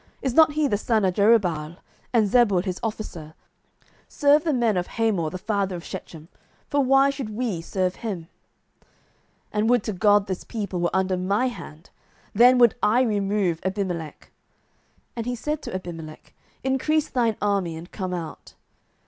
is not he the son of Jerubbaal? and Zebul his officer? serve the men of Hamor the father of Shechem: for why should we serve him? 07:009:029 And would to God this people were under my hand! then would I remove Abimelech. And he said to Abimelech, Increase thine army, and come out.